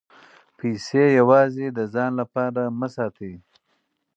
پیسې یوازې د ځان لپاره مه ساتئ.